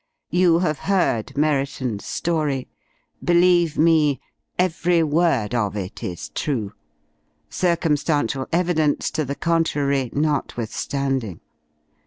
You have heard Merriton's story. Believe me, every word of it is true circumstantial evidence to the contrary notwithstanding.